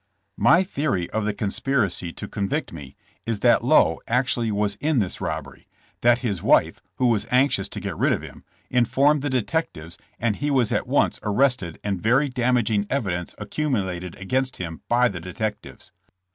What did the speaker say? My theory of the conspiracy to con vict me is that Lowe actually wa5 in this robbery, that his wife, who was anxious to get rid of him, in formed the detectives, and he was at once arrested and very damaging evidence accumulated against him by the detectives.